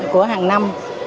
của hàng năm